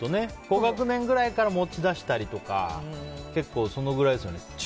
高学年ぐらいから持ち出したりとか結構、そのぐらいですよね。